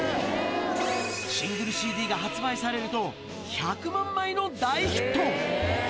シングルＣＤが発売されると、１００万枚の大ヒット。